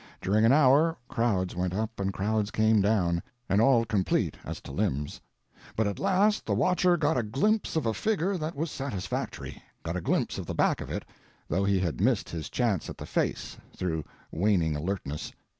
During an hour crowds went up and crowds came down; and all complete as to limbs; but at last the watcher got a glimpse of a figure that was satisfactory—got a glimpse of the back of it, though he had missed his chance at the face through waning alertness.